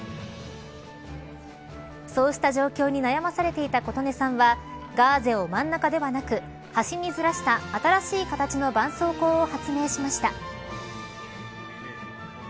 そうした状況に悩まされていた琴音さんはガーゼを真ん中ではなく端にずらした新しい形のばんそうこうを発明しました。